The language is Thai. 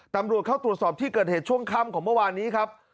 ตำรวจเข้าตรวจสอบที่เกิดเหตุช่วงค่ำของเมื่อวานนี้ครับ